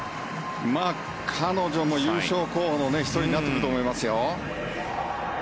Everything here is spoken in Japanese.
彼女も優勝候補の１人になってくると思いますよ。